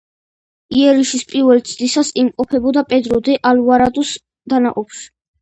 იერიშის პირველი ცდისას იმყოფებოდა პედრო დე ალვარადოს დანაყოფში.